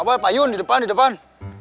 abah pak yun di depan di depan